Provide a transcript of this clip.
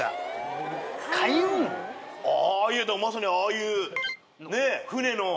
ああいやまさにああいう。